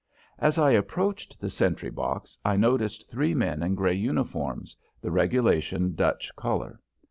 As I approached the sentry box I noticed three men in gray uniforms, the regulation Dutch color.